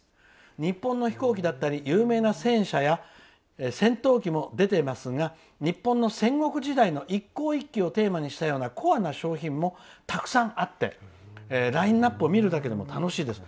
日本の飛行機だったり有名な戦車や戦闘機も出ていますが日本の戦国時代の一向一揆をテーマにしたようなコアな商品もたくさんあってラインアップを見るだけでも楽しいです。